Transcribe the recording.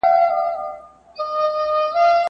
موږ به په ګډه دا باغ اباد وساتو.